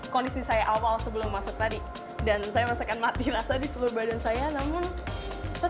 kondisi saya awal sebelum masuk tadi dan saya merasakan mati rasa di seluruh badan saya namun